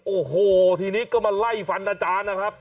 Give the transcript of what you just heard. โอ้โหทีนี้ก็มาไล่ฟันอาจารย์นะครับ